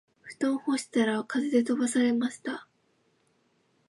布団を干したら風で飛ばされました